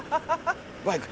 バイク。